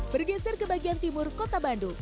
bergeser ke bagian timur kota bandung